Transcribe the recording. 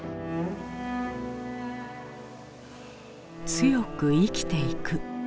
強く生きていく。